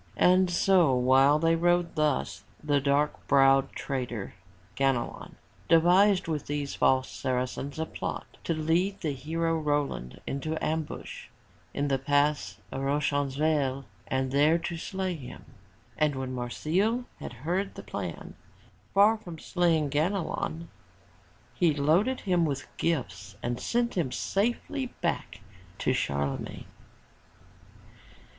And so while they rode thus, the dark browed traitor, Ganelon devised with those false Saracens a plot to lead the hero Roland into ambush in the Pass of Roncesvalles and there to slay him. And when Marsile had heard the plan, far from slaying Ganelon, he loaded him with gifts and sent him safely back to Charlemagne.